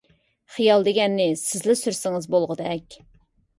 خىيال دېگەننى سىزلا سۈرسىڭىز بولغۇدەك.